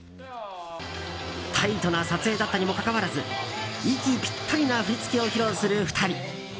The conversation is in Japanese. タイトな撮影だったにもかかわらず息ピッタリな振り付けを披露する２人。